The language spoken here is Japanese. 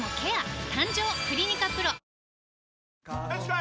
よしこい！